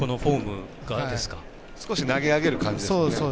少し投げ上げる感じですね。